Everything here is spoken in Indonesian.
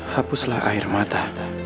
hapuslah air mata